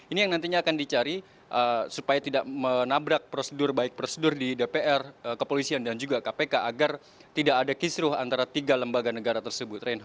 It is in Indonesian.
ini yang nantinya akan dicari supaya tidak menabrak prosedur baik prosedur di dpr kepolisian dan juga kpk agar tidak ada kisruh antara tiga lembaga negara tersebut